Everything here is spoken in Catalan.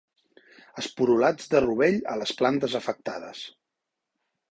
Esporulats de rovell a les plantes afectades.